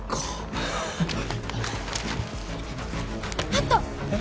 あった！